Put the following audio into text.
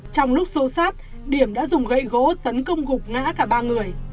trong lúc xô sát điểm đã dùng gậy gỗ tấn công gục ngã cả ba người